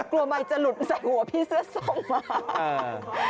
กลัวไม่จะหลุดใส่หัวพี่เสื้อทรงมา